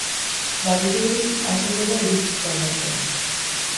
Badirudi hasi dela iritziz aldatzen.